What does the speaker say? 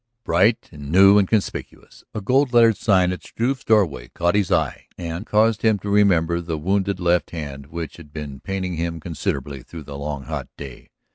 Bright and new and conspicuous, a gold lettered sign at Struve's doorway caught his eye and caused him to remember the wounded left hand which had been paining him considerably through the long hot day.